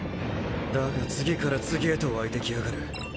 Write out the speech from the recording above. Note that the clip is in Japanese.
だが次から次へと湧いてきやがる。